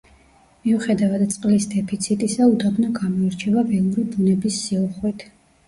მიუხედავად წყლის დეფიციტისა, უდაბნო გამოირჩევა ველური ბუნების სიუხვით.